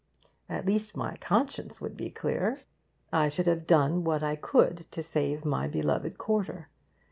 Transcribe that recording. At least my conscience would be clear: I should have done what I could to save my beloved quarter.